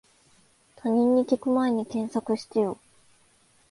他人に聞くまえに検索してよ